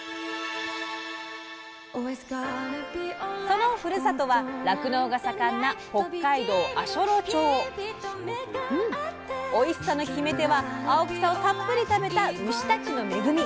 そのふるさとは酪農が盛んなおいしさの決め手は青草をたっぷり食べた牛たちの恵み。